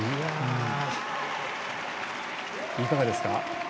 いかがですか？